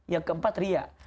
yang keempat riak